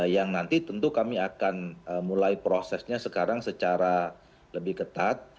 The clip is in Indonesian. yang nanti tentu kami akan mulai prosesnya sekarang secara lebih ketat